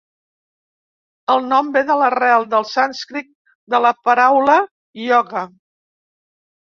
El nom ve de l'arrel del sànscrit de la paraula "ioga".